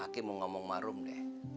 kaki mau ngomong marum deh